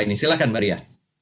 ini silahkan mbak ria